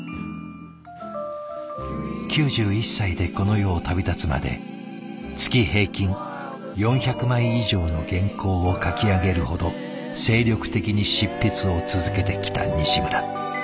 ９１歳でこの世を旅立つまで月平均４００枚以上の原稿を書き上げるほど精力的に執筆を続けてきた西村。